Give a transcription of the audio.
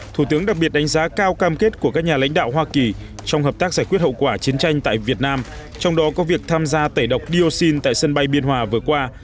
thủ tướng đặc biệt đánh giá cao cam kết của các nhà lãnh đạo hoa kỳ trong hợp tác giải quyết hậu quả chiến tranh tại việt nam trong đó có việc tham gia tẩy độc dioxin tại sân bay biên hòa vừa qua